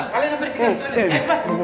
kalian bersihkan toilet